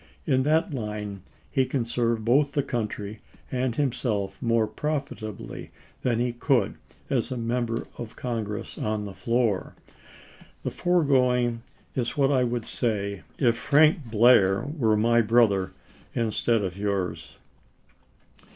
In that line he can serve both the country and himself more profitably than he Mont could as a Member of Congress on the floor. The fore gBiafi\y going is what I would say if Frank Blair were my Novms?863 brother instead of yours.